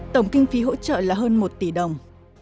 tổng kinh phí hỗ trợ là hơn một tỷ đồng